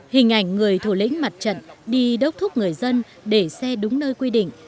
hình ảnh người thủ lĩnh mặt trận đi đốc thúc người dân để xe đúng nơi quy định